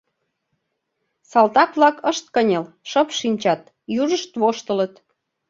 Салтак-влак ышт кынел, шып шинчат, южышт воштылыт.